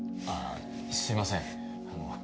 あぁすいません。